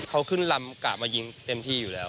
เขาขึ้นลำกะมายิงเต็มที่อยู่แล้ว